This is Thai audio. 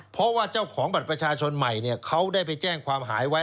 เพราะว่าเจ้าของบัตรประชาชนใหม่เขาได้ไปแจ้งความหายไว้